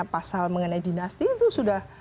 pasal mengenai dinasti itu sudah